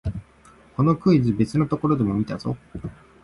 このクイズ、別のところでも見たぞ